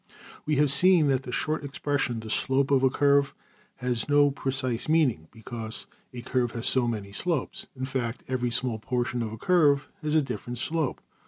We have seen that the short expression ``the slope of a curve'' has no precise meaning, because a curve has so many slopes in fact, every small portion of a curve has a different slope.